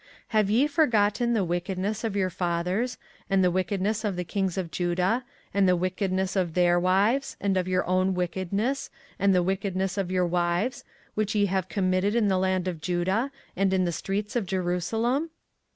24:044:009 Have ye forgotten the wickedness of your fathers, and the wickedness of the kings of Judah, and the wickedness of their wives, and your own wickedness, and the wickedness of your wives, which they have committed in the land of Judah, and in the streets of Jerusalem?